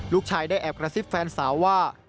ลูกชายได้แอบกระซิบแฟนสาวว่า